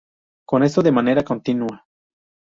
Con esto de manera continua.